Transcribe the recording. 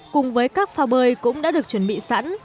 cùng với các phao bơi cũng đã được chuẩn bị sẵn